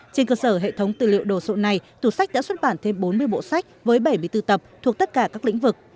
trên cơ sở hệ thống tư liệu đồ sộ này tủ sách đã xuất bản thêm bốn mươi bộ sách với bảy mươi bốn tập thuộc tất cả các lĩnh vực